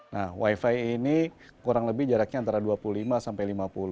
nah wifi ini kurang lebih jaraknya antara dua puluh lima sampai lima puluh